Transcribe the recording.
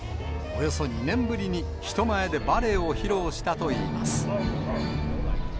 およそ２年ぶりに人前でバレエを披露したといいます。